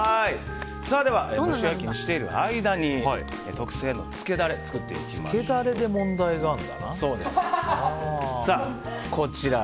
蒸し焼きにしている間に特製のつけダレを作っていきましょう。